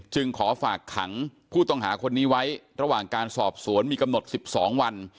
ขอฝากขังผู้ต้องหาคนนี้ไว้ระหว่างการสอบสวนมีกำหนด๑๒วัน